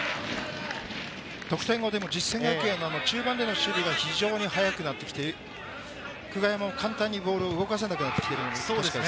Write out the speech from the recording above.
得点後、実践の中盤の守備が非常に速くなってきて、久我山も簡単にボールを動かせなくなってきてる。